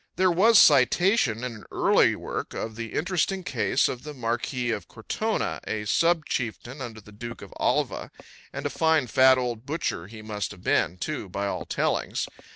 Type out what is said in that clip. There was citation in an early work of the interesting case of the Marquis of Cortona, a subchieftain under the Duke of Alva, and a fine fat old butcher he must have been, too, by all tellings.